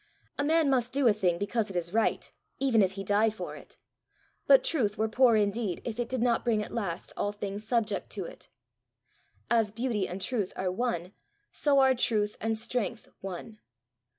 A man must do a thing because it is right, even if he die for it; but truth were poor indeed if it did not bring at last all things subject to it! As beauty and truth are one, so are truth and strength one.